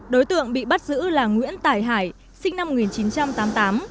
đối tượng bị bắt giữ là nguyễn tài hải sinh năm một nghìn chín trăm tám mươi tám